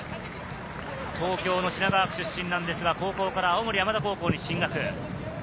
東京の品川区出身ですが、高校から青森山田高校に進学。